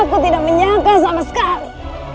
aku tidak menyangka sama sekali